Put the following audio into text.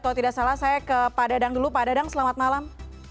kalau tidak salah saya ke pak dadang dulu pak dadang selamat malam